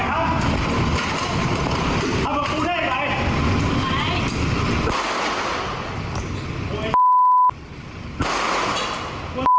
มันกลัวไปมันกลัวไป